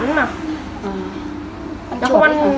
nó không ăn nó không ăn nó nhìn nhận thức ăn bằng nhiệt